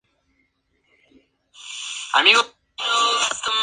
Cuando los musulmanes salieron de España, muchos se llevaron consigo sus manuscritos.